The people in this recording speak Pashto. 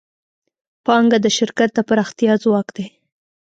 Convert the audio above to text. پانګه د شرکت د پراختیا ځواک دی.